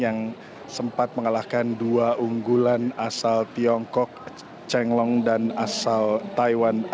yang sempat mengalahkan dua unggulan asal tiongkok chenglong dan asal taiwan